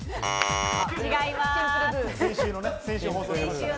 違います。